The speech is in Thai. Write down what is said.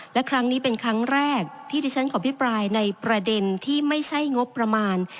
และครั้งนี้เป็นครั้งแรกที่ที่ฉันขอพิปรายในประเด็นที่ไม่ใช่งบประมาณ